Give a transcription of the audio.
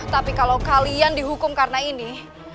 tapi kalau kalian dihukum karena ini